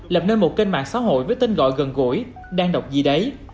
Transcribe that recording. lập nên một kênh mạng xã hội với tên gọi gần gũi đang đọc gì đấy